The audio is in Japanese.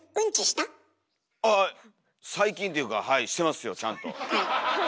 ああ最近っていうかはいしてますよちゃんと。